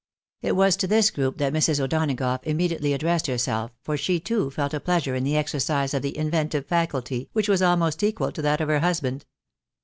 It was to this group that Mrs. O'Donagough immediately addressed herself, for she, too, felt a pleasure in the exercise of the inventive fiaculty, which was almost equal to that of her husband.